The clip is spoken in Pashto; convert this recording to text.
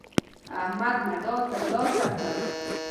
احمد مډال ترلاسه کړ.